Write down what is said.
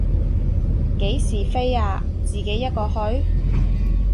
幾時飛啊，自己一個去？